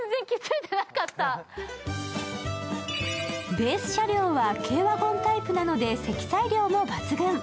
ベース車両は軽ワゴンタイプなので積載量も抜群。